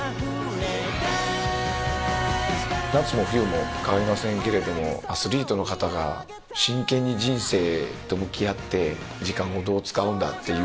夏も冬も変わりませんけどアスリートの方が真剣に人生と向き合って時間をどう使うんだっていう。